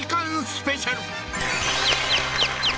スペシャル